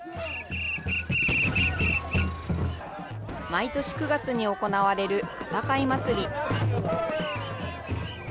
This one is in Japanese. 毎年９月に行われる、片貝まつり。